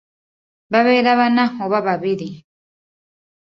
Babeera bana oba babiri.